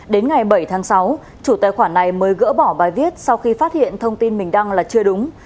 đến ngày bảy tháng sáu chủ tài khoản này mới gỡ bỏ bài viết sau khi phát hiện thông tin mình đăng là chưa đúng